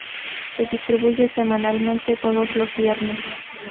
Se distribuye semanalmente todos los viernes.